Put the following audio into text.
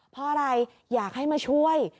เพราะอะไรอยากให้มาช่วย